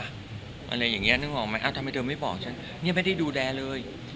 อะไรอย่างนี้นึกออกไหมทำไมเธอไม่บอกฉันเนี่ยไม่ได้ดูแลเลย